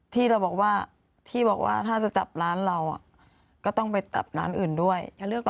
ที่เราบอกว่าที่บอกว่าถ้าจะจับร้านเราก็ต้องไปจับร้านอื่นด้วย